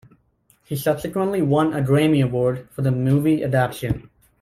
He subsequently won a Grammy Award for the movie adaptation.